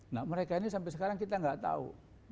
nah mereka ini sampai sekarang kita nggak tahu